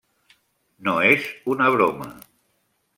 No és una broma.